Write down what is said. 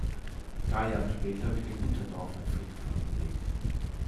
Drei Jahre später wird im Unterdorf ein Friedhof angelegt.